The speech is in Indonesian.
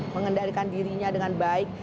mengendalikan dirinya dengan baik